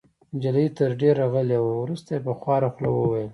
نجلۍ تر دېره غلې وه. وروسته يې په خواره خوله وویل: